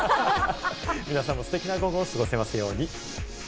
皆さんもステキな午後を過ごせますように。